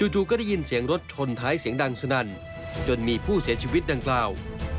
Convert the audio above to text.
จู่ก็ได้ยินเสียงรถชนท้ายเสียงดังสนั่นจนมีผู้เสียชีวิตดังกล่าว